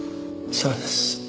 そうです。